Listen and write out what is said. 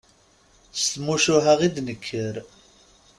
S tmucuha i d-nekker.